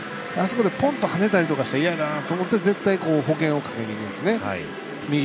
あそこでポンと跳ねたりとかしたら嫌やなと思って保険をかけていくんですね